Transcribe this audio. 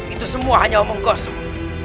itu semua hanya omong kosong